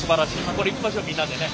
これいきましょうみんなでね。